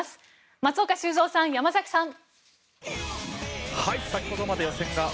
松岡修造さん、山崎さん。